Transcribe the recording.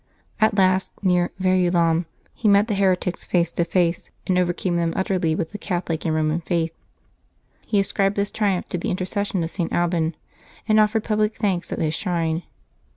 At last, near Verulam, he met the heretics face to face, and overcame them utterly with the Catholic and Eoman faith. He ascribed this triumph to the intercession of St. Alban, and offered public thanks at his shrine.